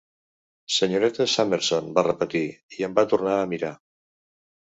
"Senyoreta Summerson", va repetir, i em va tornar a mirar.